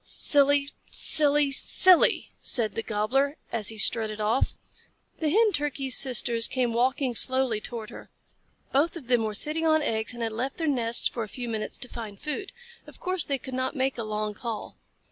"Silly silly silly!" said the Gobbler, as he strutted off. The Hen Turkey's sisters came walking slowly toward her. Both of them were sitting on eggs, and had left their nests for a few minutes to find food. Of course they could not make a long call.